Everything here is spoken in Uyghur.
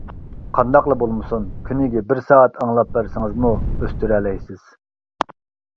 قانداقلا بولمىسۇن، كۈنىگە بىر سائەت ئاڭلاپ بەرسىڭىزمۇ ئۆستۈرەلەيسىز.